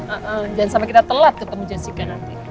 eh jangan sampai kita telat ketemu jessica nanti